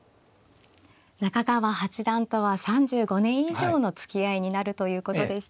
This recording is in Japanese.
中川八段とは３５年以上のつきあいになるということでしたね。